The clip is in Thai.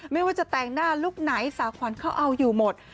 ไม่ว่าจะแต่งหน้าลุคไหนสาวขวัญเขาเอาอยู่หมด